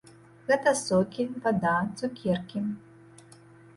Гэта сокі, вада, цукеркі.